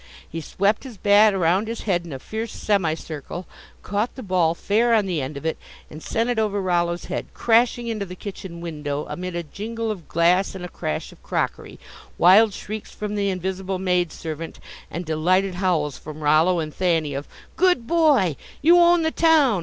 He swept his bat around his head in a fierce semi circle, caught the ball fair on the end of it, and sent it over Rollo's head, crashing into the kitchen window amid a jingle of glass and a crash of crockery, wild shrieks from the invisible maid servant and delighted howls from Rollo and Thanny of "Good boy!" "You own the town!"